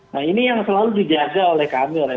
nah ini yang selalu dijaga oleh kami oleh